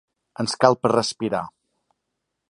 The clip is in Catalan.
Ens cal per respirar.